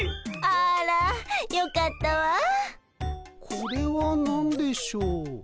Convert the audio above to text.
これは何でしょう？